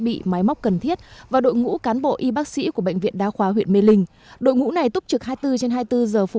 khi mà ở trong vườn dịch này thì luôn luôn có cán bộ y tế trong lo sức khỏe cho mọi người